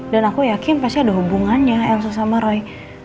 dan aku yakin pasti ada hubungannya elsa sama roy